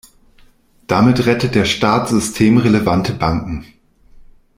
Damit rettet der Staat systemrelevante Banken.